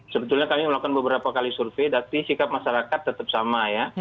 sebetulnya kami melakukan beberapa kali survei tapi sikap masyarakat tetap sama ya